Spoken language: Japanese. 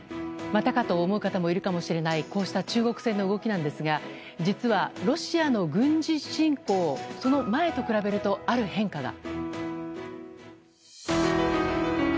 またかと思う方もいるかもしれないこうした中国船の動きですが実はロシアの軍事侵攻その前と比べると、ある変化が。